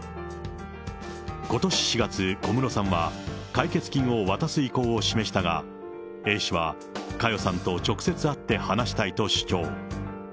ことし４月、小室さんは、解決金を渡す意向を示したが、Ａ氏は佳代さんと直接会って話したいと主張。